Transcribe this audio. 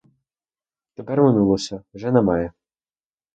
Тепер минулося, уже немає.